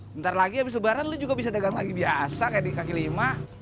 bentar lagi abis lebaran lu juga bisa dagang lagi biasa kayak di kaki lima